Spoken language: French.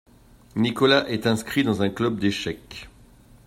Nicolas est inscrit dans un club d’échecs.